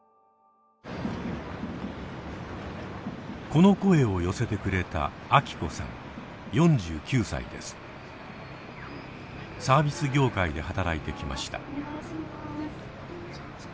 この声を寄せてくれたサービス業界で働いてきました。